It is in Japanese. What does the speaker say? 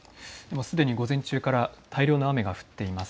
すでに午前中から大量の雨が降っています。